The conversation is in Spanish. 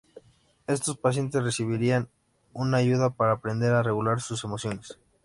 Estos pacientes recibirán una ayuda para aprender a regular sus emociones.